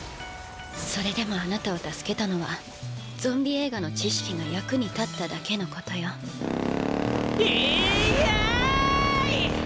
それでもあなたを助けたのはゾンビ映画の知識が役に立っただけのことよイエイ！